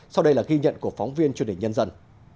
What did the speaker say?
sau đây là ghi nhận của phóng viên truyền hình nhân dân